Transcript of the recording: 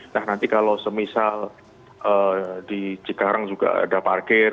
nah nanti kalau semisal di cikarang juga ada parkir